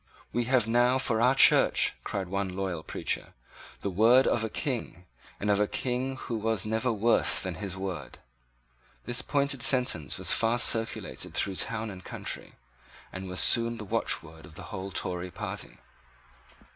"We have now for our Church," cried one loyal preacher, "the word of a King, and of a King who was never worse than his word." This pointed sentence was fast circulated through town and country, and was soon the watchword of the whole Tory party.